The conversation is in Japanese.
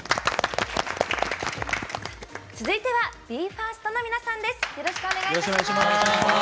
続いてはＢＥ：ＦＩＲＳＴの皆さんです。